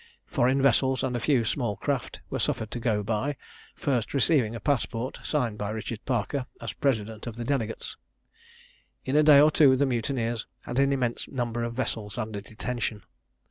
Foreign vessels, and a few small craft, were suffered to go by, first receiving a passport, signed by Richard Parker as president of the delegates. In a day or two the mutineers had an immense number of vessels under detention.